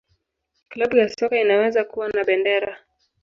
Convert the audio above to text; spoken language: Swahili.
Klabu ya soka inaweza kuwa na bendera.